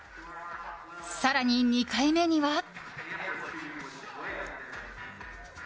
更に２回目には。